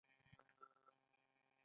د هلمند رخام په نړۍ کې مشهور دی